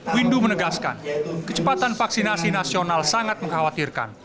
windu menegaskan kecepatan vaksinasi nasional sangat mengkhawatirkan